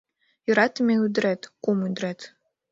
Йӧратыме ӱдырет — кум ӱдырет